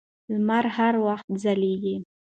لمر هر وخت ځلېږي.